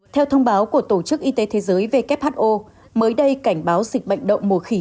theo thông báo của tổ chức y tế thế giới who mới đây cảnh báo dịch bệnh đậu mùa khỉ